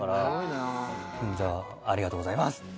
「じゃあありがとうございます」